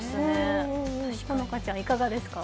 好花ちゃん、いかがですか？